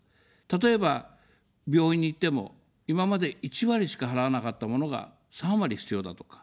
例えば病院に行っても、今まで１割しか払わなかったものが、３割必要だとか。